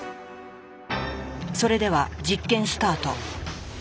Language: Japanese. それでは実験スタート。